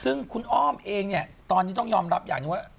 ซึ่งคุณอ้อมเองเนี่ยตอนนี้ต้องยอมรับอย่างหนึ่งว่า